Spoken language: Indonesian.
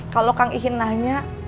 kalau kang ihin nanya